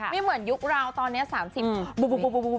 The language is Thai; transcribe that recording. ไม่เหมือนยุคเราตอนนี้๓๐บู